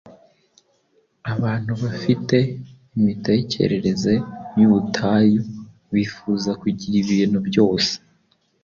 Abantu bafite "imitekerereze y’ubutayu" bifuza kugira ibintu byose